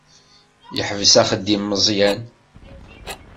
Yeḥbes axeddim Meẓyan.